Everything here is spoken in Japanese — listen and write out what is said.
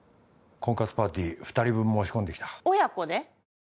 婚活パーティー二人分申し込んできた親子で！？